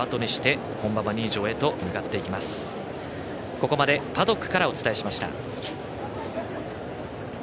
ここまでパドックからお伝えしました。